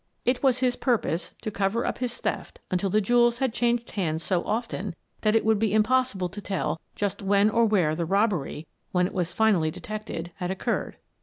It was his purpose to cover up his theft until the jew els had changed hands so often that it would be impossible to tell just when or where the robbery, when it was finally detected, had occurred.